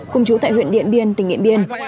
cùng chú tại huyện điện biên tỉnh nghệ biên